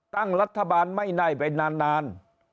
ตั้งรัฐบาลไม่ได้ไปนาน